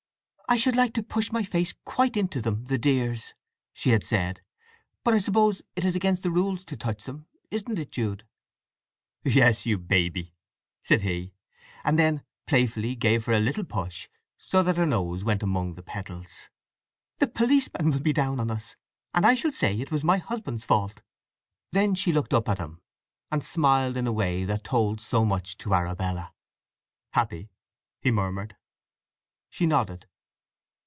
"I should like to push my face quite into them—the dears!" she had said. "But I suppose it is against the rules to touch them—isn't it, Jude?" "Yes, you baby," said he: and then playfully gave her a little push, so that her nose went among the petals. "The policeman will be down on us, and I shall say it was my husband's fault!" Then she looked up at him, and smiled in a way that told so much to Arabella. "Happy?" he murmured. She nodded.